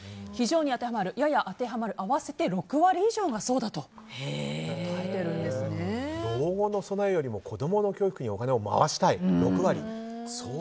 非常に当てはまるやや当てはまる合わせて６割以上がそうだと老後の備えよりも子供の教育にお金を回したい、６割。